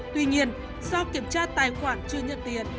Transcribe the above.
tuy nhiên do kiểm tra tài khoản chưa nhận tiền